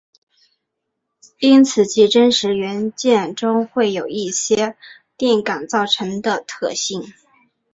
因此其真实元件中会有一些电感造成的特性。